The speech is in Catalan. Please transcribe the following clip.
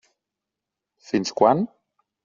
Fins quan?